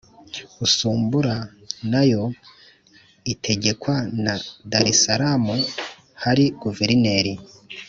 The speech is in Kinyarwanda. Usumbura nayo igategekwa na Darisalamu hari Guverineri.